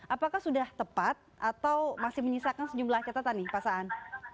apakah sudah tepat atau masih menyisakan sejumlah catatan nih pak saan